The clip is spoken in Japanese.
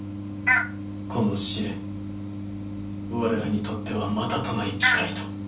この試練我らにとってはまたとない機会と。